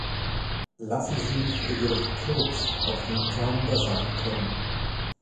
Lassen Sie mich jedoch kurz auf den Kern der Sache kommen.